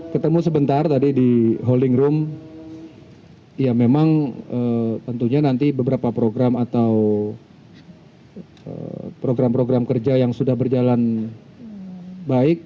ketemu sebentar tadi di holding room ya memang tentunya nanti beberapa program atau program program kerja yang sudah berjalan baik